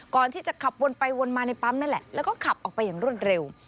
ก่อนที่จะขับวนไปวนมาในปั๊มนั่นแหละแล้วก็ขับออกไปอย่างรวดเร็ว